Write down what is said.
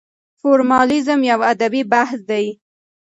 فورمالېزم يو ادبي بحث دی.